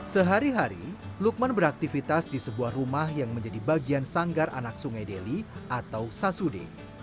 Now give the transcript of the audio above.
sehari hari lukman beraktivitas di sebuah rumah yang menjadi bagian sanggar anak sungai deli atau sasude